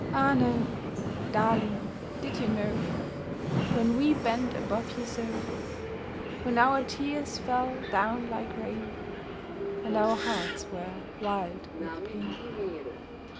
Ah no !— Darling, did you know When we bent above you so ? When our tears fell down like rain, And our hearts were wild with pain